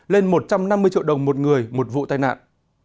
lên một trăm năm mươi triệu đồng một người một vụ tai nạn